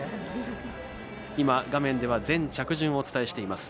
画面では全着順をお伝えしています。